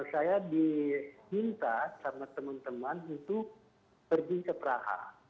saya diminta sama teman teman untuk pergi ke praha